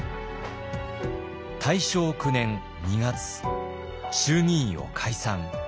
大正９年２月衆議院を解散。